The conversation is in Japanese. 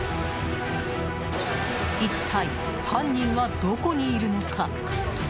一体、犯人はどこにいるのか。